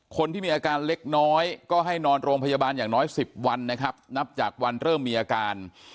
คนที่มีอาการเล็กน้อยก็ให้นอนโรงพยาบาลอย่างน้อย๑๐วันนะครับนับจากวันเริ่มมีอาการ